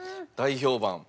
大評判。